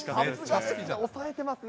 押さえてますね。